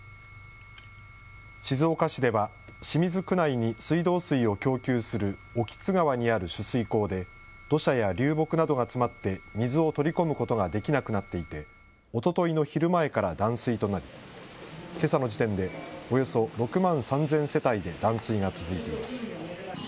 静岡市では、清水区内に水道水を供給する興津川にある取水口で、土砂や流木などが詰まって、水を取り込むことができなくなっていて、おとといの昼前から断水となり、けさの時点でおよそ６万３０００世帯で断水が続いています。